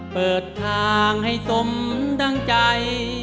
เปิดทางให้สมดังใจ